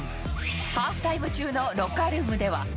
ハーフタイム中のロッカールーム